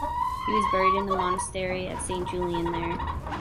He was buried in the monastery of Saint-Julien there.